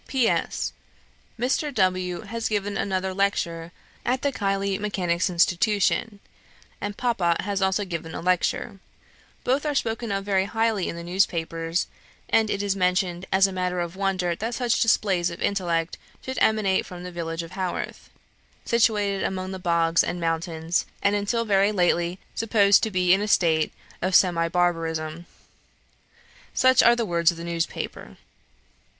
"P.S. Mr. W. has given another lecture at the Keighley Mechanics' Institution, and papa has also given a lecture; both are spoken of very highly in the newspapers, and it is mentioned as a matter of wonder that such displays of intellect should emanate from the village of Haworth, 'situated among the bogs and mountains, and, until very lately, supposed to be in a state of semi barbarism.' Such are the words of the newspaper."